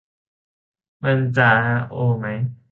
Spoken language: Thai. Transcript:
มันจะโอไหม